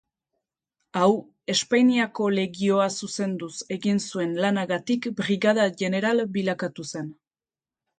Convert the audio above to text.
Hau, Espainiako Legioa zuzenduz egin zuen lanagatik brigada-jeneral bilakatu zen.